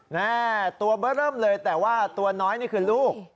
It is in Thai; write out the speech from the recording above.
แม่ตัวเบอร์เริ่มเลยแต่ว่าตัวน้อยนี่คือลูก